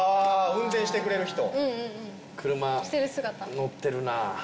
運転してくれる人車乗ってるな